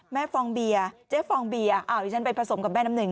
แม่ฟองเบียเจ๊ฟองเบียอ้าวเดี๋ยวฉันไปผสมกับแม่ดำหนึ่ง